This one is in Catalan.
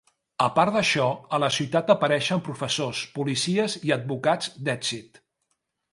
Apart d"això, a la ciutat apareixen professors, policies i advocats d"èxit.